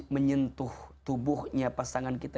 menyentuh tubuhnya pasangan kita